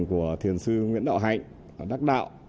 của thiền sư nguyễn đạo hạnh đắc đạo